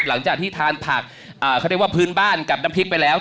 หลังจากที่ทานผักเขาเรียกว่าพื้นบ้านกับน้ำพริกไปแล้ว